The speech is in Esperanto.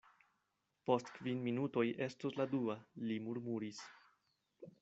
Post kvin minutoj estos la dua, li murmuris.